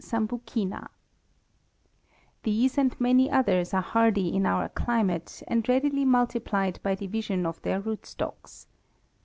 sambucina_. These and many others are hardy in our climate, and readily multiplied by division of their rootstocks.